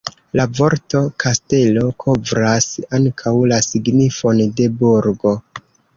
La vorto "kastelo" kovras ankaŭ la signifon de "burgo".